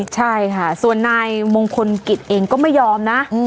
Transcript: ใช่ค่ะส่วนนายมงคลกิจเองก็ไม่ยอมนะ